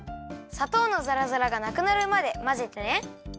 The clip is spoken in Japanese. さとうのザラザラがなくなるまでまぜてね。